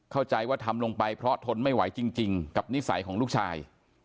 เข้าใจว่าทำลงไปเพราะทนไม่ไหวจริงกับนิสัยของลูกชาย